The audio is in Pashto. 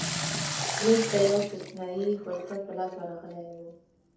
وینز ته یو استثنايي فرصت په لاس ورغلی و.